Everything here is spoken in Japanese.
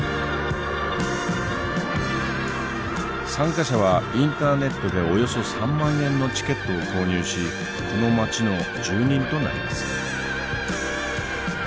参加者はインターネットでおよそ３万円のチケットを購入しこの街の住人となります。